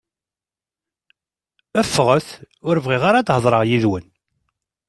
Ffɣet! Ur bɣiɣ ara ad heḍṛeɣ yid-wen!